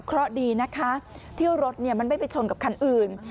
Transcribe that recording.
เพราะดีนะคะที่รถมันไม่ไปชนกับคันอื่น